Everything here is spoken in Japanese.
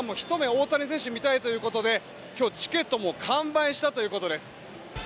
大谷選手を見たいということで今日、チケットも完売したということです。